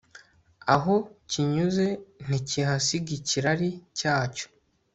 aho kinyuze ntikihasiga ikirari cyacyo